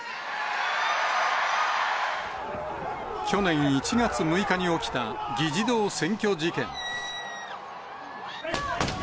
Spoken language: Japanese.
去年１月６日に起きた、議事堂占拠事件。